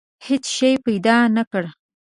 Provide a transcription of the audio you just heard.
هېڅ شی پیدا نه کړ.